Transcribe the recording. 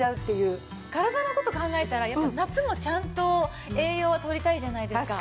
体の事考えたらやっぱり夏もちゃんと栄養は取りたいじゃないですか。